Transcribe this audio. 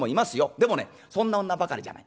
でもねそんな女ばかりじゃない。